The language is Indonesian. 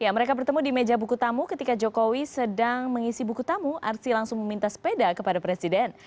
mereka bertemu di meja buku tamu ketika jokowi sedang mengisi buku tamu arsi langsung meminta sepeda kepada presiden